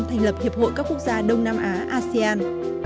thành lập hiệp hội các quốc gia đông nam á asean